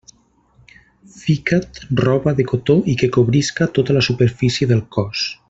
Fica't roba de cotó i que cobrisca tota la superfície del cos.